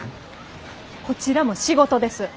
こちらも仕事です。